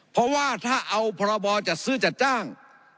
เพราะว่าถ้าเอาพรบจัดซื้อจัดจ้าง